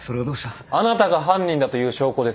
あなたが犯人だという証拠です。